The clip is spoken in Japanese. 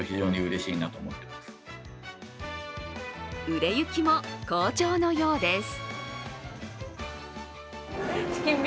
売れ行きも好調のようです。